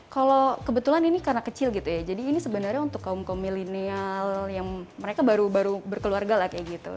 kalau kebetulan ini karena kecil gitu ya jadi ini sebenarnya untuk kaum kaum milenial yang mereka baru baru berkeluarga lah kayak gitu